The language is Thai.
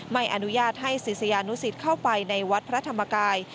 ไม่อนุญาตให้ศิษยานุสิตเข้าไปในวัดพระธรรมกาย